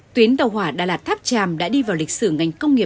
tuyến tàu hỏa đà lạt tháp tràm đã đi vào lịch sử ngành công nghiệp